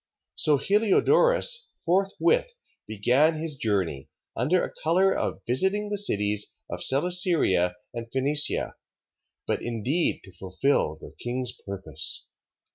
3:8. So Heliodorus forthwith began his journey, under a colour of visiting the cities of Celesyria and Phenicia, but indeed to fulfil the king's purpose.